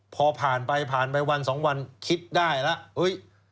พอผ่านไปผ่านไปวันสองวันคิดได้แล้วเฮ้ย